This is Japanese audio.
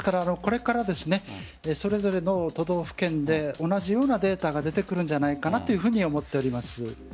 これからそれぞれの都道府県で同じようなデータが出てくるんじゃないかなというふうに思っています。